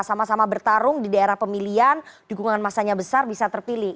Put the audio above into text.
sama sama bertarung di daerah pemilihan dukungan masanya besar bisa terpilih